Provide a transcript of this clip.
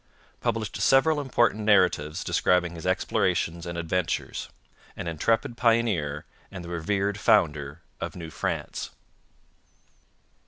Published several important narratives describing his explorations and adventures. An intrepid pioneer and the revered founder of New France.